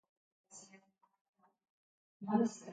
Honela Sofiaren munduari hasiera emango zaio.